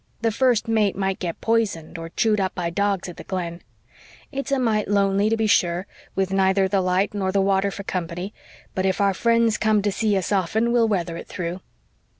The First Mate might get poisoned or chewed up by dogs at the Glen. It's a mite lonely, to be sure, with neither the light nor the water for company, but if our friends come to see us often we'll weather it through."